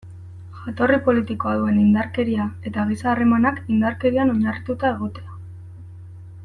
Jatorri politikoa duen indarkeria eta giza harremanak indarkerian oinarrituta egotea.